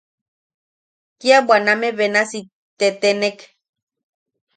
Kia bwaname benasi tetenek.